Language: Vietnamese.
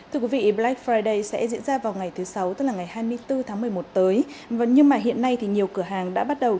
thưa quý vị black friday sẽ diễn ra vào ngày thứ sáu tức là ngày hai mươi bốn tháng một mươi một tới nhưng mà hiện nay thì nhiều cửa hàng đã bắt đầu